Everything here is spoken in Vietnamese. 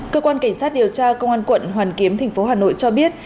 cơ quan cảnh sát điều tra công an quận hoàn kiếm tp hcm cho biết